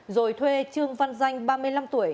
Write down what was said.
rồi thuê trương văn danh ba mươi năm tuổi